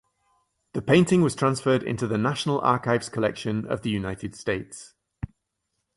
The painting was transferred into the National Archives Collection of the United States.